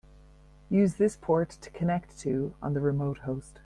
Use this port to connect to on the remote host.